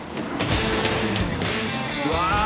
うわ！